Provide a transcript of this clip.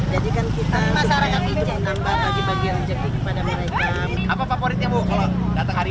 jadi kan kita masyarakat hidup menambah bagi bagi rejeki kepada mereka